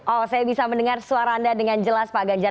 oh saya bisa mendengar suara anda dengan jelas pak ganjar